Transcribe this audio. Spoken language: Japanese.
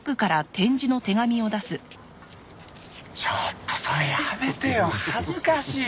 ちょっとそれやめてよ。恥ずかしいよ。